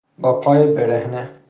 با پای برهنه